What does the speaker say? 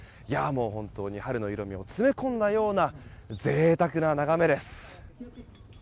本当に春の色味を詰め込んだような贅沢な眺めです。